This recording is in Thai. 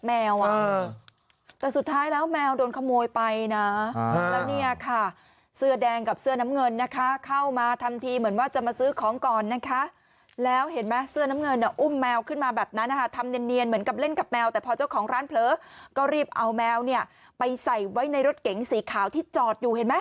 แต่สุดท้ายแล้วแมวโดนขโมยไปนะแล้วเนี่ยค่ะเสื้อแดงกับเสื้อน้ำเงินนะคะเข้ามาทำทีเหมือนว่าจะมาซื้อของก่อนนะคะแล้วเห็นไหมเสื้อน้ำเงินอุ้มแมวขึ้นมาแบบนั้นนะคะทำเนียนเหมือนกับเล่นกับแมวแต่พอเจ้าของร้านเผลอก็รีบเอาแมวเนี่ยไปใส่ไว้ในรถเก๋งสีขาวที่จอดอยู่เห็นไหม